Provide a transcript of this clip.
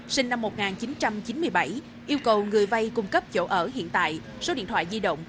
sinh năm một nghìn chín trăm chín mươi bảy yêu cầu người vay cung cấp chỗ ở hiện tại số điện thoại di động